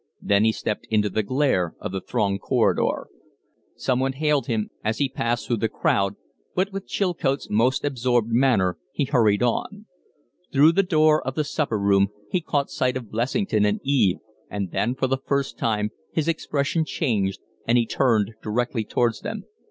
Then he stepped into the glare of the thronged corridor. Some one hailed him as he passed through the crowd, but with Chilcote's most absorbed manner he hurried on. Through the door of the supper room he caught sight of Blessington and Eve, and then for the first time his expression changed, and he turned directly towards them.